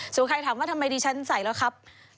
ส่วนใครถามว่าทำไมดิฉันใส่แล้วครับ